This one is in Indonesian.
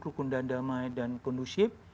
lukunda damai dan kondusif